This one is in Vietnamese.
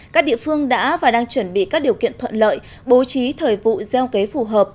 các địa phương đã và đang chuẩn bị các điều kiện thuận lợi bố trí thời vụ gieo kế phù hợp